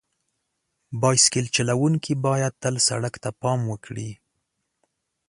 بایسکل چلونکي باید تل سړک ته پام وکړي.